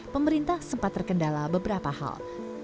pemerintah sempat terkendala beberapa hal